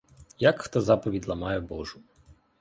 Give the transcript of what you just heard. Як хто заповідь ламає божу.